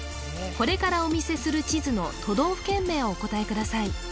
これからお見せする地図の都道府県名をお答えください